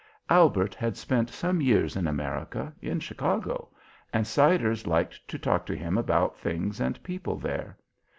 Albert had spent some years in America, in Chicago, and Siders liked to talk to him about things and people there.